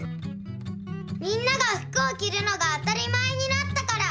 みんなが服をきるのが当たり前になったから！